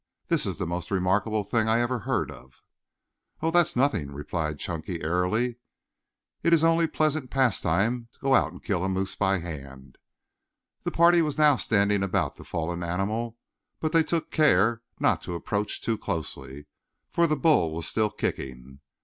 "This is the most remarkable thing I ever heard of." "Oh, that's nothing," replied Chunky airily. "It is only pleasant pastime to go out and kill a moose by hand." The party was now standing about the fallen animal, but they took care not to approach too closely, for the bull was still kicking.